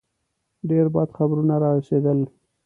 ډېر بد خبرونه را رسېدل.